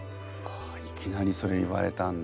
いきなりそれ言われたんだ。